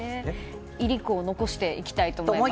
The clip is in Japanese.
いりこを残していきたいと思います。